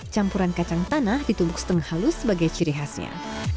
campuran kacang tanah ditumbuk setengah halus sebagai ciri khasnya